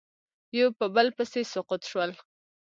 یو په بل پسې سقوط شول